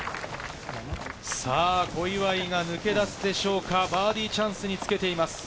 小祝が抜け出すでしょうか、バーディーチャンスにつけています。